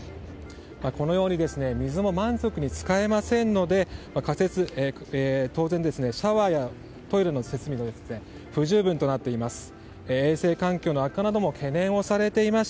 このように水も満足に使えませんので当然、シャワーやトイレの設備も不十分となっています。